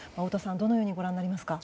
どのようにご覧になりますか？